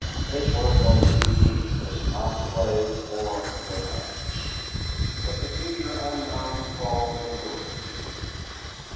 This work on the U. P. was not play or romance. But the future unknown called alluringly to him.